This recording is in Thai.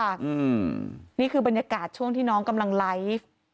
อืมนี่คือบรรยากาศช่วงที่น้องกำลังไลฟ์